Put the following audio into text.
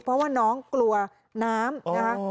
เพราะว่าน้องกลัวน้ำนะคะ